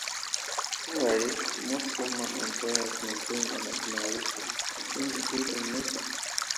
Similarly, most Roman emperors maintained an admiration for things Greek in nature.